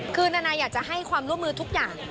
คือนานาอยากจะให้ความร่วมมือทุกอย่าง